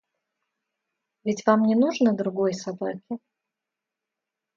Ведь вам не нужно другой собаки?